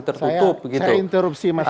tertutup saya interupsi mas